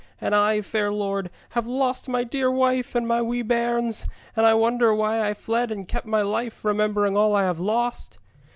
And I, fair lord, have lost my dear wife and my wee bairns, and I wonder why I fled and kept my life, remembering all I have lost.'